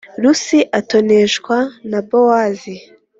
Rusi atoneshwa na Bowazi